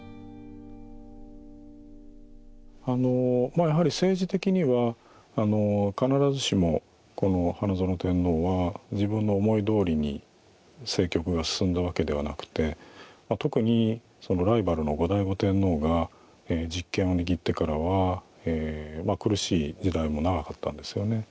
まあやはり政治的にはあの必ずしもこの花園天皇は自分の思いどおりに政局が進んだわけではなくて特にそのライバルの後醍醐天皇が実権を握ってからはまあ苦しい時代も長かったんですよね。